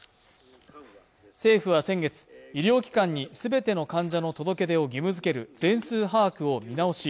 政府は先月、医療機関に全ての患者の届け出を義務づける全数把握を見直し